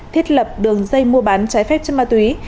thiết lập đường dây mua bán trái phép chất ma túy